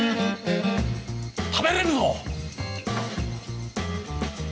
食べれるぞ！